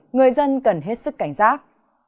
người dân cần hết sức cảnh giác